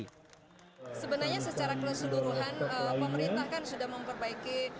sebenarnya secara keseluruhan pemerintah kan sudah memperbaiki